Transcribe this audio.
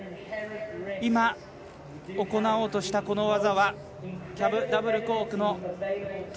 今、行おうとした技はキャブダブルコークの１２６０。